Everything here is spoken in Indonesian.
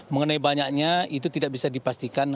mengenai banyaknya itu tidak bisa dipastikan